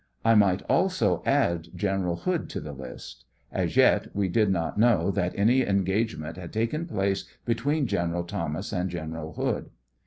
I might also , add General Hood to the list. As yet,: we did not know that any engagement had taken place between General Thomas and General Hood.